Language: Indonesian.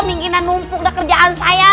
minginan numpuk dah kerjaan saya